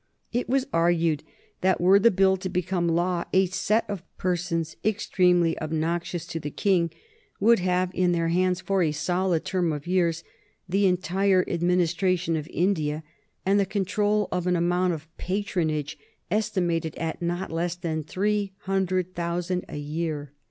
It was argued that were the bill to become law a set of persons extremely obnoxious to the King would have in their hands for a solid term of years the entire administration of India and the control of an amount of patronage, estimated at not less than three hundred thousand a year.